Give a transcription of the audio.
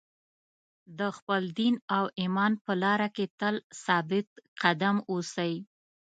د خپل دین او ایمان په لار کې تل ثابت قدم اوسئ.